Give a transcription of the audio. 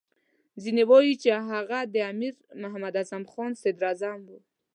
ځینې وایي چې هغه د امیر محمد اعظم خان صدراعظم وو.